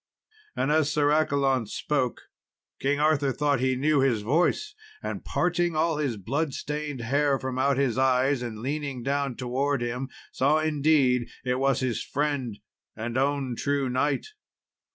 And as Sir Accolon spoke, King Arthur thought he knew his voice; and parting all his blood stained hair from out his eyes, and leaning down towards him, saw, indeed, it was his friend and own true knight.